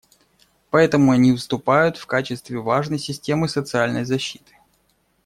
Поэтому они выступают в качестве важной системы социальной защиты.